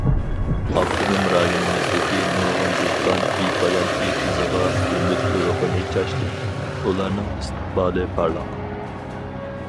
ئاپتونوم رايونىمىزدىكى نۇرغۇن دېھقان بىپايان ئېتىزىغا ئۈمىد ئۇرۇقىنى چاچتى، ئۇلارنىڭ ئىستىقبالى پارلاق.